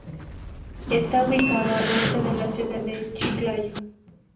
Está ubicado al norte de la ciudad de Chiclayo.